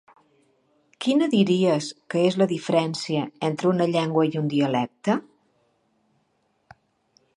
Quina diries que és la diferència entre una llengua i un dialecte?